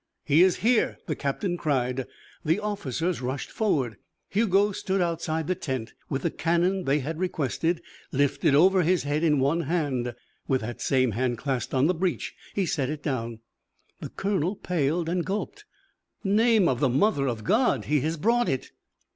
"He is here!" the captain cried. The officers rushed forward. Hugo stood outside the tent with the cannon they had requested lifted over his head in one hand. With that same hand clasped on the breach, he set it down. The colonel paled and gulped. "Name of the mother of God! He has brought it."